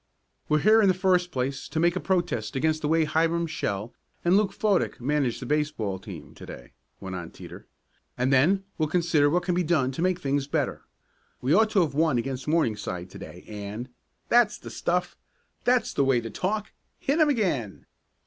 "We're here in the first place to make a protest against the way Hiram Shell and Luke Fodick managed the baseball team to day," went on Teeter, "and then we'll consider what can be done to make things better. We ought to have won against Morningside to day, and " "That's the stuff!" "That's the way to talk!" "Hit 'em again!"